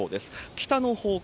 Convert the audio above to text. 北の方向